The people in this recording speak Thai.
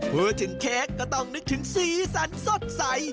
เพื่อถึงเค้กก็ต้องนึกถึงซีสันสดใส